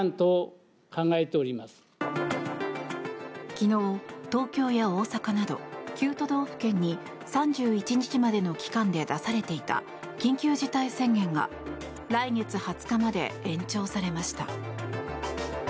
昨日、東京や大阪など９都道府県に３１日までの期間で出されていた緊急事態宣言が来月２０日まで延長されました。